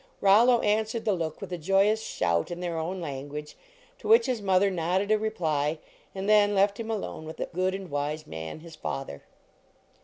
Rollo answered the look with a joyous shout in their own language, to which his mother nodded a reply, and then left him alone with that good and wise man, his father.